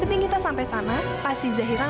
ini pasti ada kesalahan